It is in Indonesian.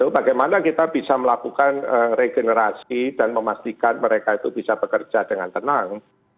bagaimana kita bisa melakukan regenerasi dan memastikan mereka itu bisa bekerja dengan tenang